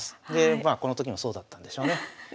まあこのときもそうだったんでしょうね。